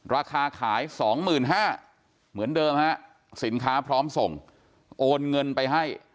ราคาขาย๒๕๐๐บาทเหมือนเดิมฮะสินค้าพร้อมส่งโอนเงินไปให้